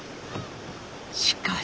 しかし。